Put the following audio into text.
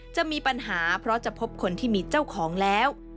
จะมีปัญหาเพราะจะพบคนที่มีเจ้าของแล้ว